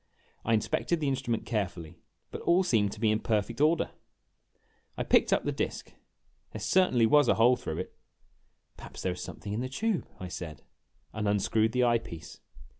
I inspected the instrument carefully, but all seemed to be in perfect order. I picked up the disk. There certainly was a hole through it. " Perhaps there is something in the tube," I said, and unscrewed the eye piece.